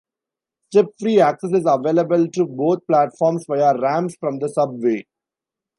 Step-free access is available to both platforms via ramps from the subway.